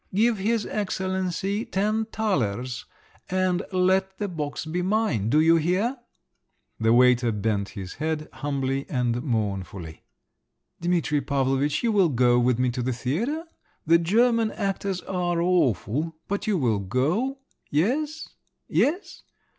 "Give his excellency ten thalers, and let the box be mine! Do you hear!" The waiter bent his head humbly and mournfully. "Dimitri Pavlovitch, you will go with me to the theatre? the German actors are awful, but you will go … Yes? Yes?